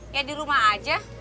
ya di rumah aja